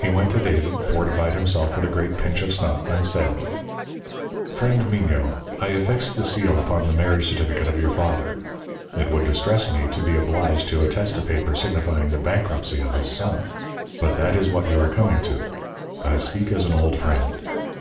He went to David, fortified himself with a great pinch of snuff, and said: "Friend Mignot, I affixed the seal upon the marriage certificate of your father. It would distress me to be obliged to attest a paper signifying the bankruptcy of his son. But that is what you are coming to. I speak as an old friend.